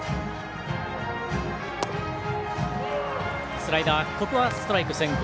スライダーここはストライク先行。